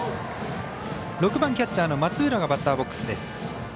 ６番キャッチャーの松浦がバッターボックスです。